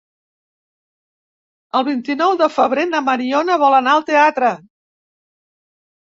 El vint-i-nou de febrer na Mariona vol anar al teatre.